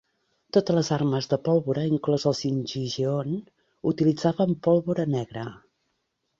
Totes les armes de pólvora, inclòs el singijeon, utilitzaven pólvora negra.